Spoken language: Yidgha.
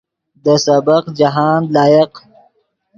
دے سبق جاہند لائق